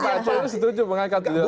pak jokowi setuju mengangkat itu